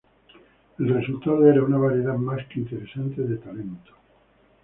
El resultado era una variedad más que interesante de talento.